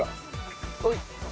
はい。